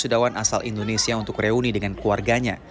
dan membuatnya menjadi perempuan asal indonesia untuk reuni dengan keluarganya